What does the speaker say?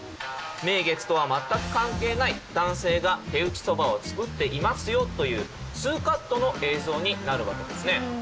名月とは全く関係ない男性が手打そばをつくっていますよというツーカットの映像になるわけですね。